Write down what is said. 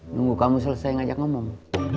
nunggu kamu selesai ngajak ngomong